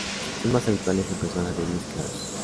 Son más habituales en personas de iris claros.